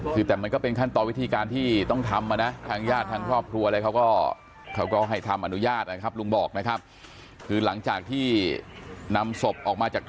คือแต่มันก็เป็นขั้นต่อวิธีการที่ต้องทำนะทางญาติทางครอบครัวอะไรเขาก็